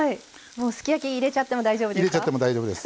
すき焼き入れちゃっても大丈夫ですか？